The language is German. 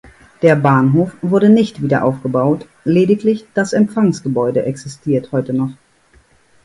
Der Bahnhof wurde nicht wieder aufgebaut, lediglich das Empfangsgebäude existiert heute noch.